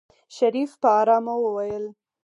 شريف په آرامه وويل.